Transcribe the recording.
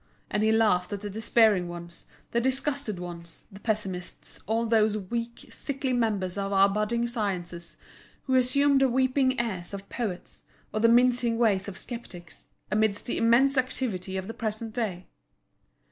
And he laughed at the despairing ones, the disgusted ones, the pessimists, all those weak, sickly members of our budding sciences, who assumed the weeping airs of poets, or the mincing ways of sceptics, amidst the immense activity of the present day.